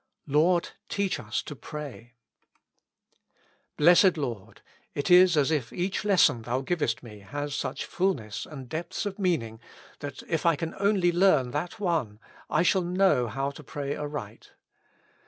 "Lord, teach us to pray." Blessed Lord ! it is as if each lesson Thou givest me has such fulness and depths of meaning that if I can only learn that one, I shall know how to pray aright.